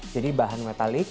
jadi bahan metalik